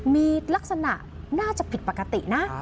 มีลักษณะน่าจะผิดปกตินะ